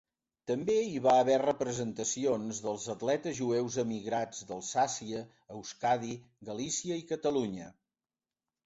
També hi va haver representacions dels atletes jueus emigrats, d'Alsàcia, Euskadi, Galícia i Catalunya.